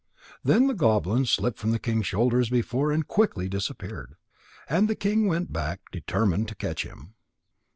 Then the goblin slipped from the king's shoulder as before, and quickly disappeared. And the king went back, determined to catch him.